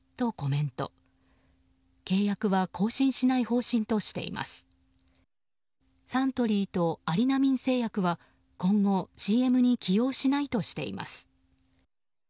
サントリーとアリナミン製薬は今後ＣＭに起用しないとしています。